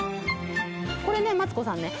これねマツコさんね